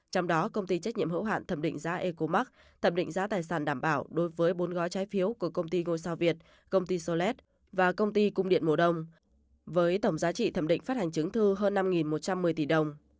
trong đó công ty trách nhiệm hữu hạn thẩm định giá ecomark thẩm định giá tài sản đảm bảo đối với bốn gói trái phiếu của công ty ngôi sao việt công ty solet và công ty cung điện mùa đông với tổng giá trị thẩm định phát hành chứng thư hơn năm một trăm một mươi tỷ đồng